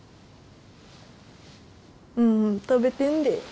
うん食べてんで